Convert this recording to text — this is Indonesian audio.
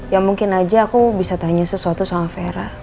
ya mungkin aja aku bisa tanya sesuatu sama vera